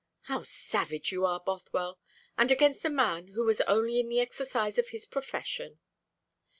"How savage you are, Bothwell, and against a man who was only in the exercise of his profession!"